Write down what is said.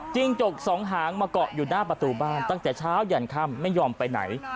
จกสองหางมาเกาะอยู่หน้าประตูบ้านตั้งแต่เช้ายันค่ำไม่ยอมไปไหน